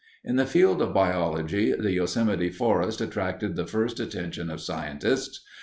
In the field of biology, the Yosemite forests attracted the first attention of scientists.